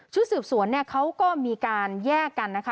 ชื่อสืบสวนเขาก็มีการแยกกันนะคะ